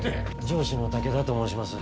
上司の武田と申します。